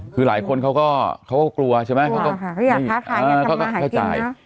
คือหลายคนเขาก็กลัวใช่ไหมต้องมาหายเต็มนะ